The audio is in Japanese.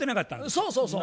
そうそうそう。